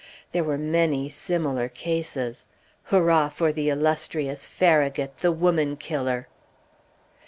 There were many similar cases. Hurrah for the illustrious Farragut, the Woman Killer!!!